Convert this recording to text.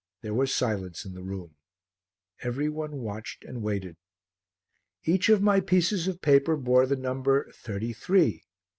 There was silence in the room. Every one watched and waited. Each of my pieces of paper bore the number thirty three.